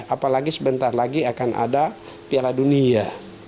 apalagi sebentar lagi akan ada piala dunia